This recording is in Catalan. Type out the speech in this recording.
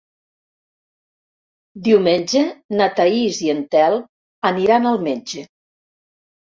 Diumenge na Thaís i en Telm aniran al metge.